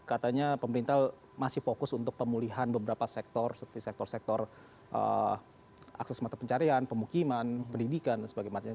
karena katanya pemerintah masih fokus untuk pemulihan beberapa sektor seperti sektor sektor akses mata pencarian pemukiman pendidikan dan sebagainya